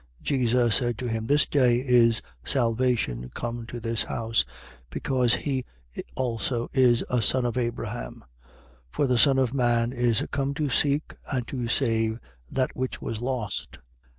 19:9. Jesus said to him: This day is salvation come to this house, because he also is a son of Abraham. 19:10. For the Son of man is come to seek and to save that which was lost.